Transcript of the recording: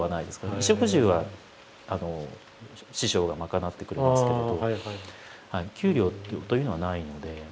衣食住は師匠が賄ってくれますけれど給料というのはないので。